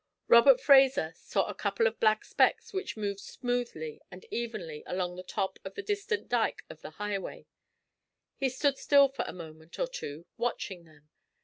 Robert Fraser saw a couple of black specks which moved smoothly and evenly along the top of the distant dyke of the highway. He stood still for a moment or two watching them.